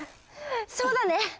そうだね。